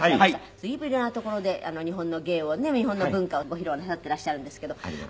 随分色んな所で日本の芸をね日本の文化をご披露なさっていらっしゃるんですけど。